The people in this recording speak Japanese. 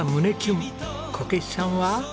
こけしさんは？